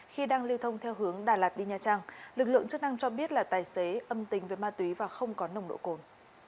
khi đang lưu thông theo hướng đà lạt đi nha trang lực lượng chức năng cho biết là tài xế âm tính với ma túy và không có nồng độ cồn